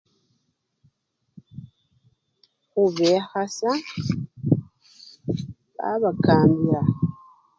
Khubekhasya mala babakambila.